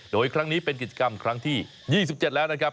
โดยครั้งนี้เป็นกิจกรรมครั้งที่๒๗แล้วนะครับ